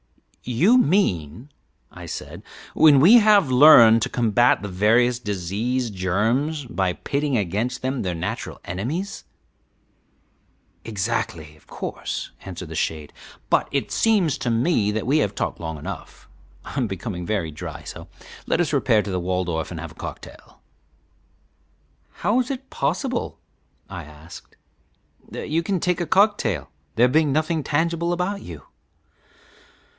"You mean," I said, "when we have learned to combat the various disease germs by pitting against them their natural enemies." "Exactly, of course," answered the shade; "but it seems to me that we have talked long enough; I am becoming very dry, so let us repair to the Waldorf and have a cocktail." "How is it possible," I asked, "that you can take a cocktail, there being nothing tangible about you?"